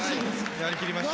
やりきりました。